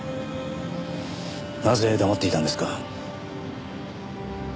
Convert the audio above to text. なぜ黙っていたんですか？